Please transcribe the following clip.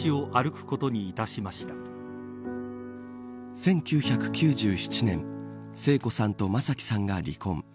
１９９７年聖子さんと正輝さんが離婚。